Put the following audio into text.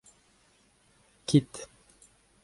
kit.